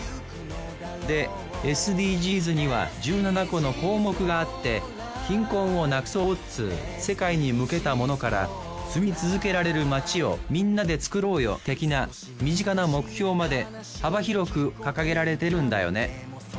でＳＤＧｓには１７個の項目があって貧困をなくそうっつう世界に向けたものから住み続けられる街をみんなで作ろうよ的な身近な目標まで幅広く掲げられてるんだよね